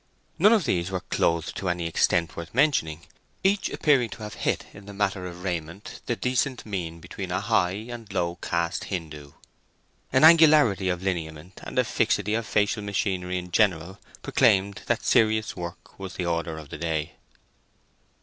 None of these were clothed to any extent worth mentioning, each appearing to have hit in the matter of raiment the decent mean between a high and low caste Hindoo. An angularity of lineament, and a fixity of facial machinery in general, proclaimed that serious work was the order of the day.